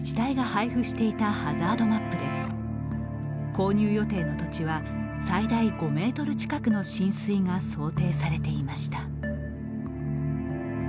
購入予定の土地は最大５ｍ近くの浸水が想定されていました。